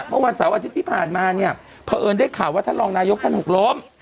เมื่อวันเสาร์อาทิตย์ที่ผ่านมาเนี่ยเพราะเอิญได้ข่าวว่าท่านรองนายกท่านหกล้ม